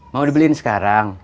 mau dibeliin sekarang